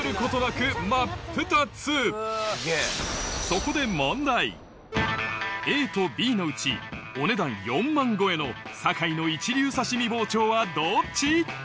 そこでＡとＢのうちお値段４万超えの堺の一流刺し身包丁はどっち？